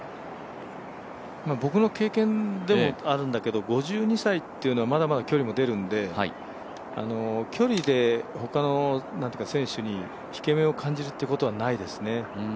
僕の経験でもあるんだけど、５２歳というのはまだまだ距離も出るので、距離で他の選手に引け目を感じるということはないですね。